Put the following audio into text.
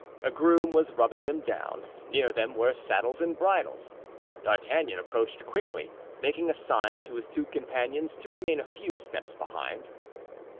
A groom was rubbing them down; near them were saddles and bridles. D'Artagnan approached quickly, making a sign to his two companions to remain a few steps behind.